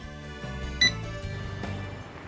tak hanya di kalangan pengguna namun juga bagi pihak industri